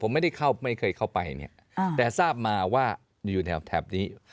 ผมไม่ได้เข้าไม่เคยเข้าไปเนี่ยแต่ทราบมาว่าอยู่แถวแถบนี้